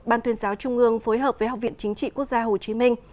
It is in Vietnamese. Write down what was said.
ban tuyên giáo trung ương phối hợp với học viện chính trị quốc gia hồ chí minh